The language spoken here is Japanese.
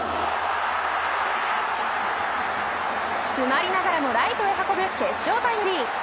つまりながらもライトへ運ぶ決勝タイムリー。